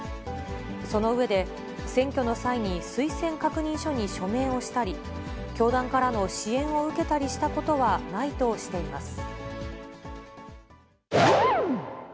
その上で、選挙の際に推薦確認書に署名をしたり、教団からの支援を受けたりしたことはないとしています。